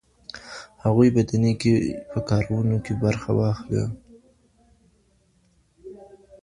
هغوی به د نېکۍ په کارونو کي برخه واخلي.